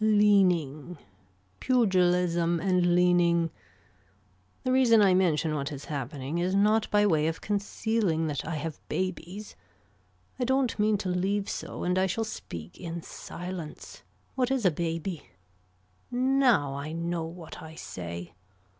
Leaning. Pugilism and leaning. The reason I mention what is happening is not by way of concealing that I have babies. I don't mean to leave so and I shall speak in silence. What is a baby. Now I know what I say.